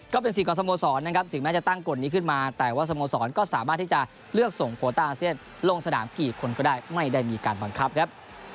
ก็เป็นสิทธิ์ของสโมสรนะครับถึงแม้จะตั้งกฎนี้ขึ้นมาแต่ว่าสโมสรก็สามารถที่จะเลือกส่งโคต้าอาเซียนลงสนามกี่คนก็ได้ไม่ได้มีการบังคับครับ